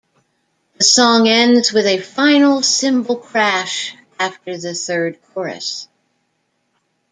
The song ends with a final cymbal crash after the third chorus.